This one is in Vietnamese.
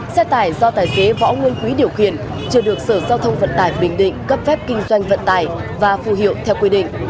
xe tải do tài xế võ nguyên quý điều khiển chưa được sở giao thông vận tải bình định cấp phép kinh doanh vận tải và phù hiệu theo quy định